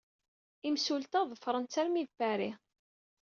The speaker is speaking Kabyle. Imsulta ḍefren-tt armi d Paris.